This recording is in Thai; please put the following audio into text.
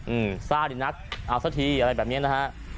อืมซ่าดีนักเอาสักทีอะไรแบบเนี้ยนะฮะ